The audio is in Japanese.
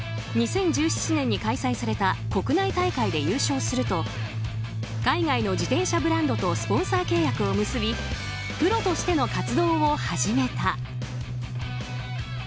２０１７年に開催された国内大会で優勝すると海外の自転車ブランドとスポンサー契約を結びプロとしての活動を始めた。